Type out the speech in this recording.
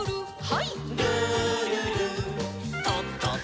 はい。